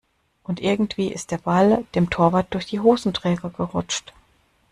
Und irgendwie ist der Ball dem Torwart durch die Hosenträger gerutscht.